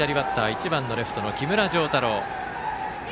１番レフトの木村星太朗。